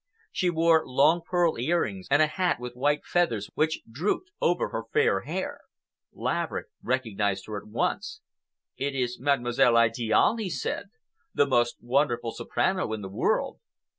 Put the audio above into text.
She wore long pearl earrings, and a hat with white feathers which drooped over her fair hair. Laverick recognized her at once. "It is Mademoiselle Idiale," he said, "the most wonderful soprano in the world."